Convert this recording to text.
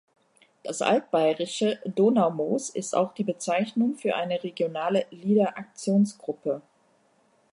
Das Altbayerische Donaumoos ist auch die Bezeichnung für eine regionale Leader-Aktionsgruppe.